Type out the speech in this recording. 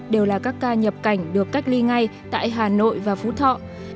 đều là các ca nhập cảnh được cách ly ngay tại hà nội và phú thọ